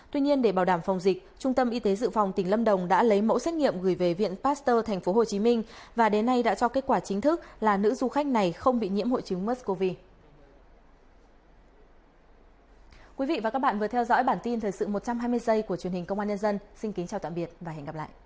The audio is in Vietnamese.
tuy nhiên để bảo đảm phòng dịch trung tâm y tế dự phòng tỉnh lâm đồng đã lấy mẫu xét nghiệm gửi về viện pasteur tp hcm và đến nay đã cho kết quả chính thức là nữ du khách này không bị nhiễm hội chứng msco